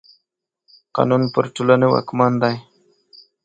قانون پر ټولني واکمن دی.